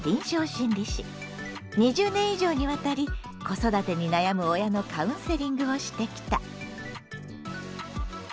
２０年以上にわたり子育てに悩む親のカウンセリングをしてきた。